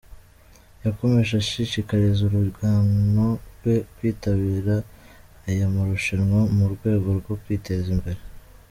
Yakomeje ashishikariza urungano rwe kwitabira aya marushanwa, mu rwego rwo kwiteza imbere.